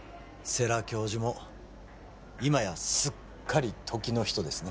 世良教授も今やすっかり時の人ですね